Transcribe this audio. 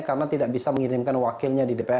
karena tidak bisa mengirimkan wakil